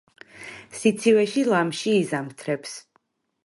სიცივეში ლამში იზამთრებს.